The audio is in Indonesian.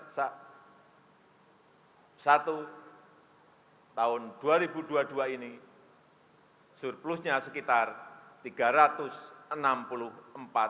setelah ini akhirnya dibesarkan pelayanan bbm